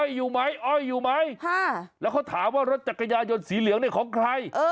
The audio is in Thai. อยู่ไหมอ้อยอยู่ไหมแล้วเขาถามว่ารถจักรยานยนต์สีเหลืองเนี่ยของใคร